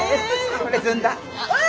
これずんだ。